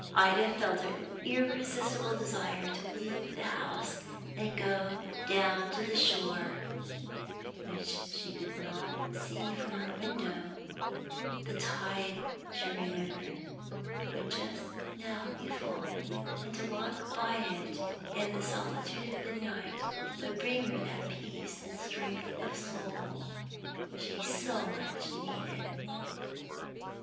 Ida felt an irresistible desire to leave the house and go down to the shore, which she could not see from her window; the tide, she remembered, would just now be full, and to walk by it in the solitude of midnight would bring her that peace and strength of soul she so much needed.